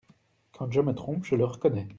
Quand je me trompe, je le reconnais.